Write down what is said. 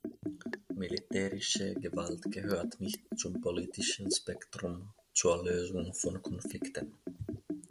Militärische Gewalt gehört nicht zum politischen Spektrum zur Lösung von Konflikten!